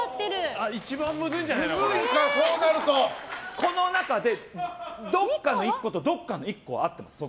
この中でどこかの１個とどこかの１個は合ってます。